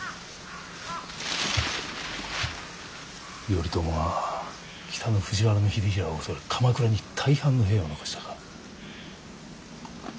頼朝は北の藤原秀衡を恐れて鎌倉に大半の兵を残したか。